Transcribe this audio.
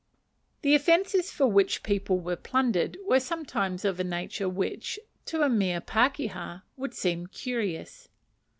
The offences for which people were plundered were sometimes of a nature which, to a mere pakeha, would seem curious.